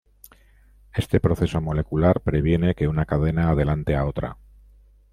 Este proceso molecular previene que una cadena adelante a la otra.